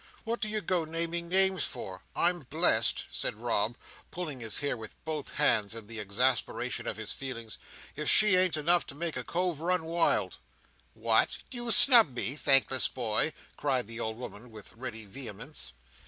"What do you go naming names for? I'm blest," said Rob, pulling his hair with both hands in the exasperation of his feelings, "if she ain't enough to make a cove run wild!" "What! Do you snub me, thankless boy!" cried the old woman, with ready vehemence.